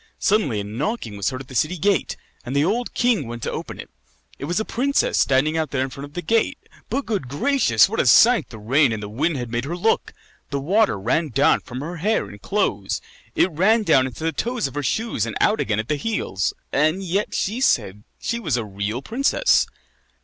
Suddenly a knocking was heard at the city gate, and the old king went to open it. It was a princess standing out there in front of the gate. But, good gracious! what a sight the rain and the wind had made her look. The water ran down from her hair and clothes; it ran down into the toes of her shoes and out again at the heels. And yet she said that she was a real princess.